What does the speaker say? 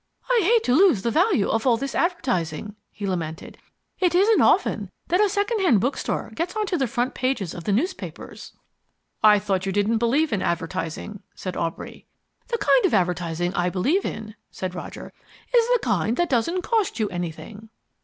"I hate to lose the value of all this advertising," he lamented. "It isn't often that a second hand bookstore gets onto the front pages of the newspapers." "I thought you didn't believe in advertising," said Aubrey. "The kind of advertising I believe in," said Roger, "is the kind that doesn't cost you anything."